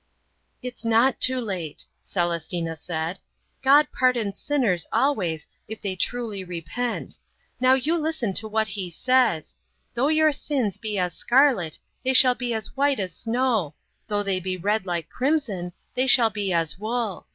"It's not too late," Celestina said, "God pardons sinners always if they truly repent. Now you listen to what He says: 'Though your sins be as scarlet, they shall be as white as snow; though they be red like crimson, they shall be as wool.'